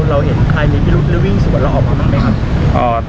เราเห็นใครมีผิดหรือวิ่งส่วนเราออกมาไหมครับ